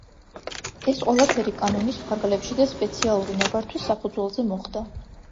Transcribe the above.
ეს ყველაფერი კანონის ფარგლებში და სპეციალური ნებართვის საფუძველზე მოხდა.